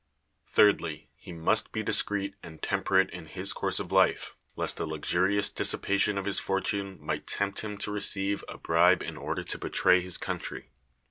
Thirdly, he must be discreet and temperate in his course of life, lest a luxurious dissipation of his fortune might tempt him to receive a bribe in order to betray his country.